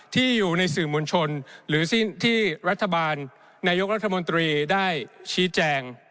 ที่อยู่ในสื่อมวลชนหรือที่รัฐบาลนายกรัฐมนตรีได้ชี้แจง